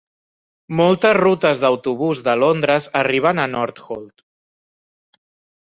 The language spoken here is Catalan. Moltes rutes d'autobús de Londres arriben a Northolt.